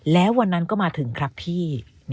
แล้ววันนั้นก็มาถึงครับพี่